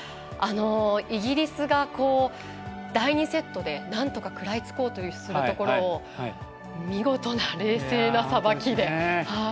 イギリスが第２セットでなんとか食らいつこうとするところを見事な冷静なさばきで。